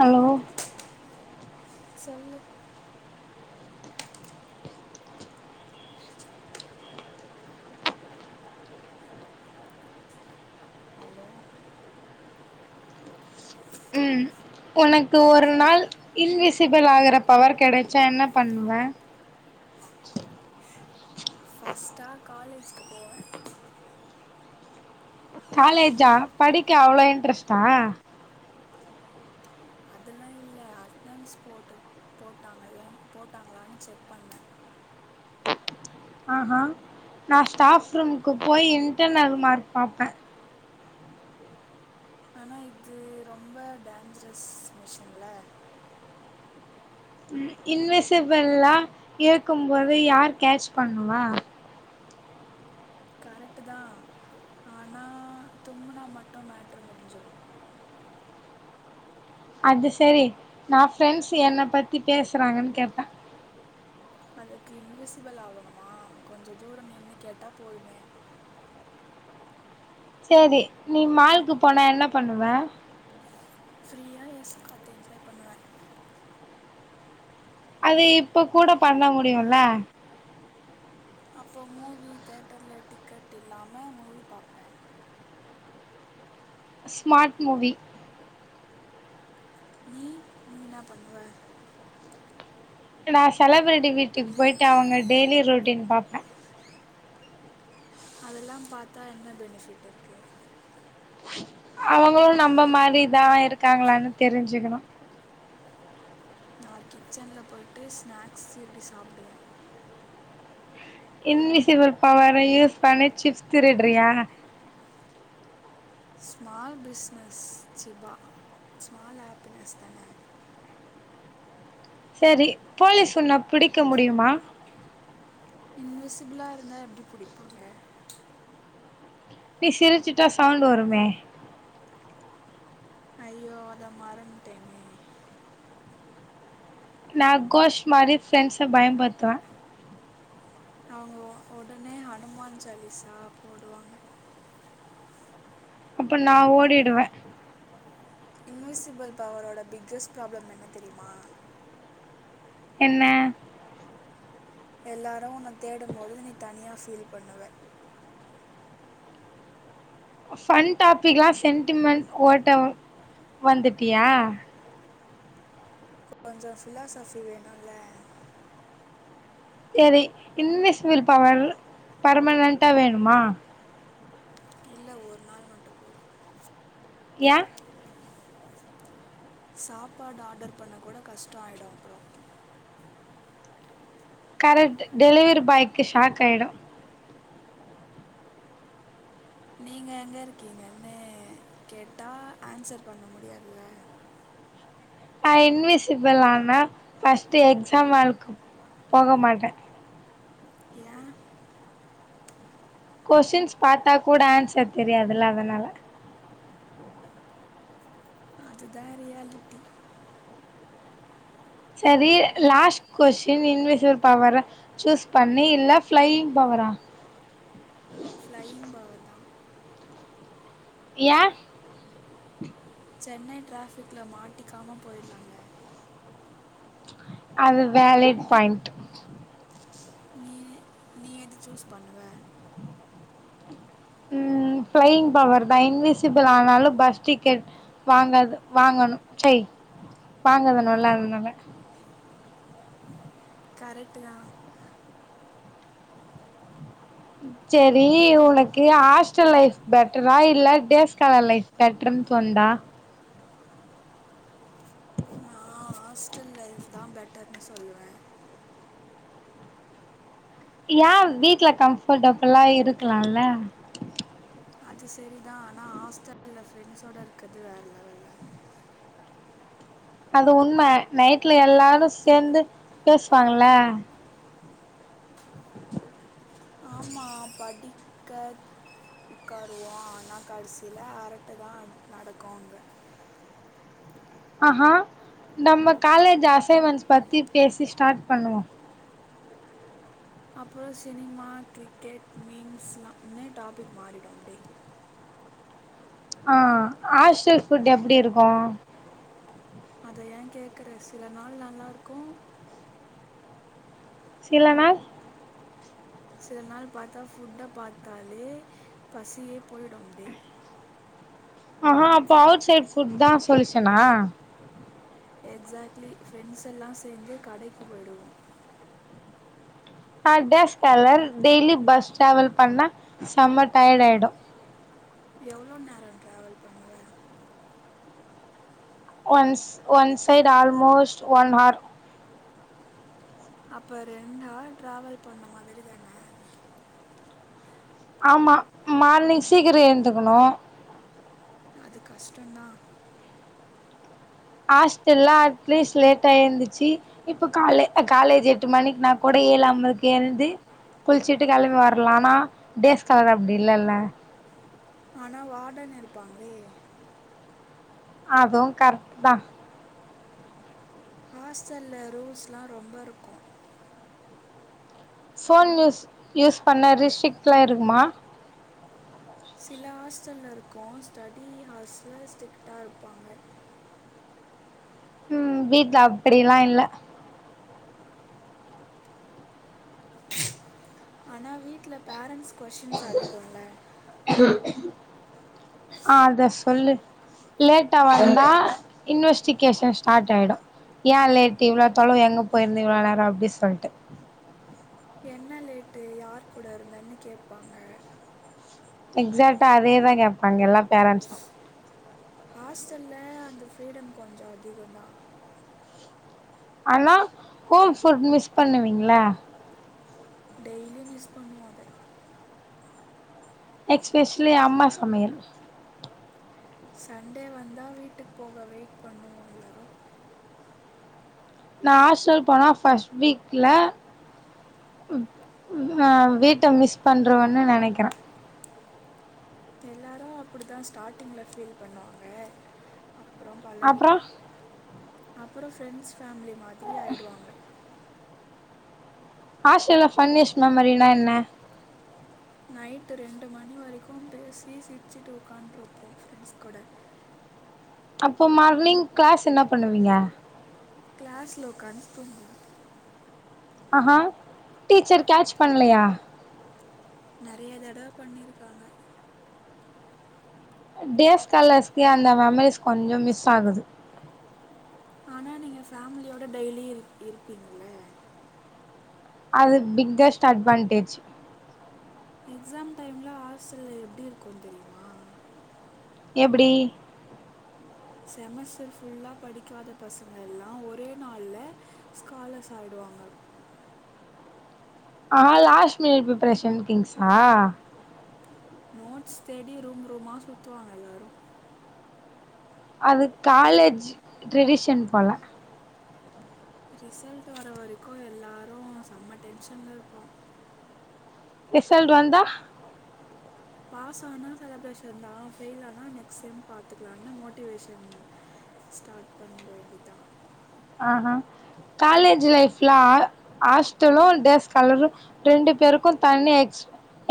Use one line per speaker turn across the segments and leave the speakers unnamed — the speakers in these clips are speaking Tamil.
ஹலோ
சொல்லு ஹலோ
ம் உனக்கு ஒரு நாள் இன்விசிபிள் ஆகுற பவர் கெடைச்சா என்ன பண்ணுவ
ஃபஸ்டா காலேஜ்க்கு போவே
காலேஜா படிக்க அவ்ளோ இன்ட்ரெஸ்டா
அதெல்லா இல்ல அட்னன்ஸ் போட்டு போட்டாங்க எனக்கு போட்டாங்களான்னு செக் பண்ணே
ஆஹா நா ஸ்டாஃப் ரூம்க்கு போய் இன்டர்னல் மார்க் பாப்பே
ஆனா இது ரொம்ப டேஞ்சரஸ் மிஷின்ல
இன்விசிபில்லா இருக்கும்போது யார் கேச் பண்ணுவா
கரெக்ட்டு தா ஆனா தும்முனா மட்டு மேட்ரு முடிஞ்சிரு
அது செரி நா ஃப்ரெண்ட்ஸ் என்னப் பத்தி பேசுறாங்கன் கேப்பே
அதுக்கு இன்விசிபிள் ஆகணுமா? கொஞ்ச தூரோ நின்னு கேட்டா போதுமே?
சேரி நீ மால்க்கு போனா என்ன பண்ணுவே?
B I S God enjoy பண்ணுவே
அது இப்பக் கூடப் பண்ண முடியுல்ல?
அப்போ மூவி தியேட்டர்ல டிக்கெட் இல்லாம மூவி பாப்பே
ஸ்மாட் மூவி
நீ நீ இன்னா பண்ணுவ
நா செலப்ரிட்டி வீட்டுக் போய்ட்டு அவங்க டெய்லி ரொட்டீன் பாப்பே
அதெல்லாம் பாத்தா என்ன பெனிஃபிட் இருக்கு
அவங்களு நம்ப மாரிதா இருக்காங்களான் தெரிஞ்சுக்கணு
நா கிச்சன்ல போய்ட்டு ஸ்நாக்ஸ் திருடி சாப்டுவே
இன்விசிபிள் பவர யூஸ் பண்ணி சிப்ஸ் திருட்றியா?
ஸ்மால் பிஸ்னஸ் சிபா ஸ்மால் ஹேப்பினஸ் தான
சரி போலீஸ் உன்ன பிடிக்க முடியுமா?
இன்விசிபிளா இருந்தா எப்டி புடிப்பாங்க?
நீ சிரிச்சுட்டா சவுண்டு வருமே
ஐயோ அத மறந்ட்டேனே
நா கோஷ்ட் மாரி ஃப்ரெண்ட்ஸ பயம் பட்த்துவே
அவுங்க ஒடனே ஹனுமான் சாலிசா போடுவாங்க
அப்ப நா ஓடிடுவே
இன்விசிபிள் பவரோட பிக்கஸ்ட் ப்ராப்ளம் என்ன தெரியுமா?
என்ன?
எல்லாரு உன்னத் தேடும் போது நீ தனியா ஃபீல் பண்ணுவே
ஃபன் டாபிக்லா சென்டிமென்ட் ஓட்ட வந்துட்டியா?
கொஞ்சோ ஃபிலாசஃபி வேணுல்ல
சேரி இன்விசிபில் பவர் பர்மனென்ட்டா வேணுமா?
இல்ல ஒரு நாள் மட்டு போது
ஏ
சாப்பாடு ஆடர் பண்ணக் கூட கஷ்டோ ஆய்டு அப்றோ
கரெக்ட் டெலிவரி பாய்க்கு ஷாக் ஆயிடு
நீங்க எங்க இருக்கீங்கன்னு கேட்டா ஏன்சர் பண்ண முடியாதுல்ல
நா இன்விசிபிள் ஆனா ஃபஸ்ட்டு எக்ஸாம் ஹாலுக்கு போக மாட்டே
ஏ
கொஸ்சின்ஸ் பாத்தா கூட ஏன்சர் தெரியாதுல்ல அதனால
அதுதா ரியாலிட்டி
சரி லாஸ்ட் கொஸ்டின் இன்விசிபில் பவர சூஸ் பண்ணி இல்ல ஃப்ளையிங் பவரா?
ஃப்ளையிங் பவர் தா
யா
சென்னை ட்ராஃபிக்ல மாட்டிக்காம போயிடலால?
அது வெலிட் பாயிண்ட்
நீ நீ எது சூஸ் பண்ணுவ?
உம் ஃப்ளையிங் பவர் தா இன்விசிபிள் ஆனாலு பஸ் டிக்கெட் வாங்கது வாங்கணு சய் வாங்க வேணும்ல அதனால
கரெக்ட்டு தா.
செரி உனக்கு ஹாஸ்டல் லைஃப் பெட்டரா இல்ல டேஸ்காலர் லைஃப் பெட்டர்ன்னு தோணுதா
நான் ஹாஸ்டல் லைஃப் தா பெட்டர்ன்னு சொல்லுவே
ஏன் வீட்ல கம்ஃபர்டபில்லா இருக்கலால
அது செரிதா ஆனா ஹாஸ்டல்ல ஃப்ரெண்ட்ஸோட இருக்கது வேற லெவல்ல
அது உண்ம நைட்ல எல்லாரு சேந்து பேசுவாங்கல்ல
ஆமா படிக்க உக்கருவோ ஆனா கடசியில அரட்டதா அட் நடக்கு அங்க
ஆஹ நம்ம காலேஜ் அசைன்மென்ட்ஸ் பத்தி பேசி ஸ்டார்ட் பண்ணுவோ
அப்றோ சினிமா கிரிக்கெட் மீம்ஸ்லாம்னு டாபிக் மாறிடும் அப்டே
ஆ, ஹாஸ்டல் ஃபுட் எப்டி இருக்கு?
அத ஏன் கேக்குற சில நாள் நல்லாருக்கு
சில நாள்
சில நாள் பாத்தா ஃபுட்ட பாத்தாலே பசியே போய்டு அப்டே
ஆஹ அப்போ அவுட் சைட் ஃபுட் தா சொல்யூஷன்னா
எக்ஸாக்ட்லி ஃப்ரெண்ட்ஸ் எல்லா சேந்து கடைக்கு போயிடுவோ
அ, டேஸ்காலர் டெய்லி பஸ் ட்ராவல் பண்ணா செம்ம டயர்ட் ஆய்டும்
எவ்ளோ நேரம் டிராவல் பண்ணுவ?
Once one side almost one hour
அப்ப ரெண்டார் ட்ராவல் பண்ண மாதிரி தான
ஆமா மார்னிங் சீக்கிரோ ஏந்துக்குணு
அது கஷ்டந்தா.
ஹாஸ்டல்ல அட்லீஸ்ட் லேட்டா ஏந்துச்சு இப்ப காலே காலேஜ் எட்டு மணிக்கு நா கூட ஏழு அம்பதுக்கு எழுந்து குளிச்சுட்டு கெளம்பி வரலானா டேஸ்காலர் அப்டி இல்லல்ல
ஆனா வாடன் இருப்பாங்களே
அதுவு கரெக்ட் தா
ஹாஸ்டல்ல ரூல்ஸ்லா ரொம்பருக்கூ
ஃபோன் யூஸ் யூஸ் பண்ண ரிஸ்ரிக்ட்லா இருக்குமா
சில ஹாஸ்டல்ல இருக்கூ ஸ்டடி ஹார்ஸ்ல ஸ்டிக்ட்டா இருப்பாங்க
உம் வீட்ல அப்டியெல்லா இல்ல
ஆனா வீட்ல பேரண்ட்ஸ் கொசின்ஸ் அதிகொ இல்ல
ஆஹ் அத சொல்லு லேட்டா வந்தா இன்வெஸ்டிகேஷன் ஸ்டாட் ஆய்டு ஏ லேட்டு் இவ்ளோ தொலவு எங்க போயிருந்த இவ்ளோ நேரோ அப்டி சொல்ட்டு
என்ன லேட்டு யார் கூட இருந்தன்னு கேட்பாங்க
எக்ஷேக்டா அதேதா கேப்பாங்க எல்லா பேரண்ட்சு
ஹாஸ்டல்ல அந்த ஃப்ரீடம் கொஞ்சொ அதிகந்தா
அனா ஹோம்ஃபுட் மிஸ் பண்ணுவீங்ல
டெய்லி மிஸ் பண்ணுவோ அத
எக்ஸ்பெஷ்லி அம்மா சமையல்
சண்டே வந்தா வீட்டுக் போக வெய்ட் பண்ணுவோ எல்லரு
நான் ஹாஸ்டல் போனா பஸ்ட் வீக்ல ம் அஹன் வீட்டை மிஸ் பன்னுருவேன் நெனைக்கிறேன்
எல்லாரு அப்டிதா ஸ்டாட்டிங்ல ஃபீல் பண்ணுவாங்க அப்புறம்
அப்றோ
பலகிடும் அப்புறோ ஃப்ரெண்ட்ஸ் ஃபேமிலி மார் திரி ஆய்டுவாங்க
ஆஷியால ஃபன்னிஷ் மெமரினா என்ன
நைட் ரெண்டு மணி வரிக்கும் பேசி சிரிச்சுட்டு உக்கான்ட்ருப்போம் ஃப்ரெண்ட்ஸ் கூட
அப்போ மார்னிங் க்ளாஸ் என்ன பண்ணுவீங்க
க்ளாஸ்ல உக்காந்து தூங்குவோ
அஹா டீச்சர் கேச் பண்லயா
நெறைய தடவ பண்ணிருக்காங்க
டேஸ்காலர்ஸ்க்கு அந்த மெமரிஸ் கொஞ்ஜோ மிஸ் ஆகுது
ஆனா நீங்க ஃபேமிலியோட டெய்லி இரு இருப்பீங்கல்ல
அது பிக்கஸ்ட் அட்வான்டேஜ்
எக்ஸாம் டைம்ல ஹாஸ்டல்ல எப்பிடி இருக்கு தெரியுமா
எப்பிடி
செமஸ்டர் ஃபுல்லா படிக்காத பசங்க எல்லா ஒரே நாள்ல ஸ்காலர்ஸ் ஆயிடுவாங்க
ஆ, லாஸ்ட் மினிட் பிரிப்பரேஷன் திங்ஸ்ஸா
நோட்ஸ் தேடி ரூம் ரூமா சுத்துவாங்க எல்லாரு
அது காலேஜ் ட்ரெடிஷன் போல
ரிசல்ட் வர வரைக்கு எல்லாரு செம்ம டென்ஷன்ல இருப்போ
ரிசல்ட் வந்தா
பாஸ் ஆனா செலப்ரேஷன் தா ஃபெயில் ஆனா நெக்ஸ்ட் செம் பாத்துக்கலாம்னு மோட்டிவேஷன் ஸ்டார்ட் பண்ணிட வேண்டிதா
ஆஹ காலேஜ் லைஃப்ல ஆ ஹாஸ்டலு டேஸ் ஸ்காலர்ரு இரண்டு பேருக்கு, தனி எக்ஸ்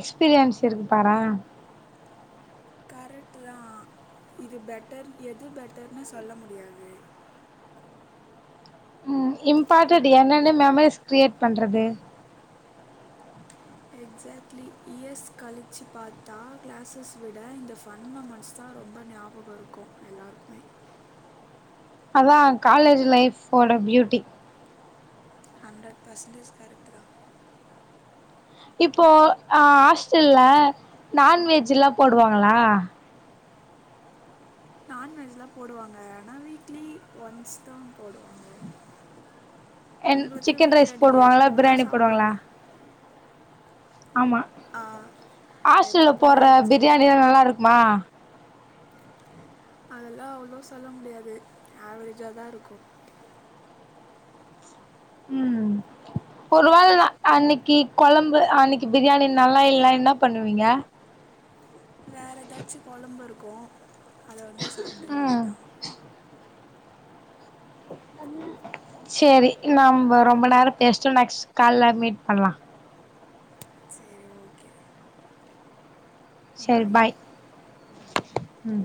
எக்ஸ்பீரியன்ஸ் இருக்கு பாரே
கரெக்ட்டு தா இது பெட்டர் எது பெட்டர்னு சொல்ல முடியாது
உம் இம்பார்ட்டடு என்னென்னு மெமரிஸ் கிரியேட் பண்றது
எக்ஸாக்ட்லி இயஸ் கழிச்சு பாத்தா கிளாஸஸ் விட இந்த ஃபன் மொமெண்ட்ஸ் தான் ரொம்ப ஞாபகம் இருக்கு எல்லாருக்குமே
அதா காலேஜ் லைப் ஓட பியூட்டி
ஹண்ட்ரேட் பர்சன்டேஜ் கரெக்ட்டு தா
இப்போ ஹாஸ்டல்ல நான்வெஜ் எல்லா போடுவாங்களா
நான்வெஜ்லா போடுவாங்க ஆனா வீக்லி ஒன்ஸ் தா போடுவாங்க
என்
உங்களுக்கு
சிக்கன் ரைஸ்
வீட்டில் நீங்கள் எப்போ
போடுவாங்களா
வேணால்
பிரியாணி போடுவாங்களா
சாப்பிடலாம்
ஆமா ஹாஸ்டல்ல போடுற
எப்போயாச்சும்
பிரியாணிலா நல்லா இருக்குமா
அதெல்லா அவ்ளோ சொல்ல முடியாது ஆவரேஜா தா இருக்கு
ம் ஒருவேள அன்னைக்கு குழம்பு அன்னைக்கு பிரியாணி நல்லா இல்லைனா என்ன பண்ணுவீங்க
வேற எதாச்சு குழம்பு இருக்கு கு அத வந்து சாப்பிட
ம்
வேண்டியதா
சேரி நாம்ம ரொம்ப நேரோ பேசிட்டோ நெக்ஸ்ட் கால்ல மீட் பண்ணலா
சரி ஓகே
சரி பாய் ம்